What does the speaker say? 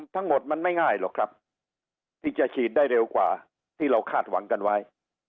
ทั้งหมดมันไม่ง่ายหรอกครับที่จะฉีดได้เร็วกว่าที่เราคาดหวังกันไว้